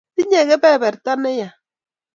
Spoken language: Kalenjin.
tinye kebeberta ne ya